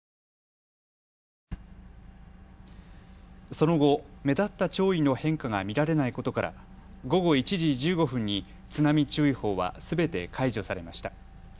その後、目立った潮位の変化が見られないことから午後１時１５分に津波注意報はすべて解除されました。